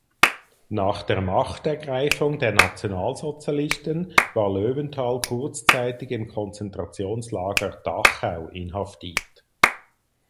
Nach der Machtergreifung der Nationalsozialisten war Löwenthal kurzzeitig im Konzentrationslager Dachau inhaftiert.